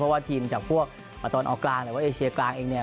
ว่าทีมจากพวกตอนออกกลางหรือว่าเอเชียกลางเองเนี่ย